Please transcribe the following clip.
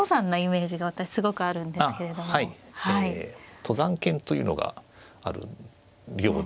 登山研というのがあるようで。